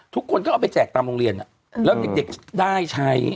ทุกคนก็เอาไปแจกตามโรงเรียนแล้วเด็กได้ใช้